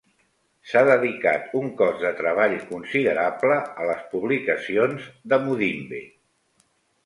S'ha dedicat un cos de treball considerable a les publicacions de Mudimbe.